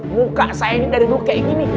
muka saya ini dari lu kayak gini